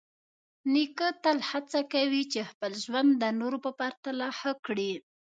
نیکه تل هڅه کوي چې خپل ژوند د نورو په پرتله ښه کړي.